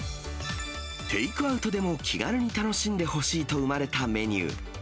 テイクアウトでも気軽に楽しんでほしいと生まれたメニュー。